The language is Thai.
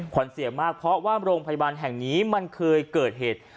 เสียมากเพราะว่าโรงพยาบาลแห่งนี้มันเคยเกิดเหตุ